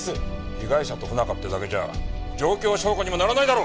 被害者と不仲ってだけじゃ状況証拠にもならないだろ！